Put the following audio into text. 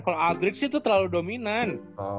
kalau aldridge itu terlalu dominan